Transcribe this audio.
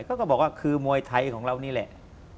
ก็บอกว่าคือมวยไทยของเรานี่แหละ